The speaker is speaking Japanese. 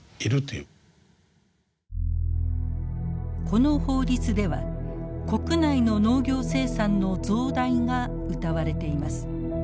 この法律では国内の農業生産の増大がうたわれています。